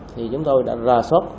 thì chúng tôi đã ra sót